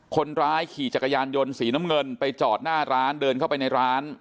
คนร้ายขี่จักรยานยนต์สีน้ำเงินไปจอดหน้าร้านเดินเข้าไปในร้าน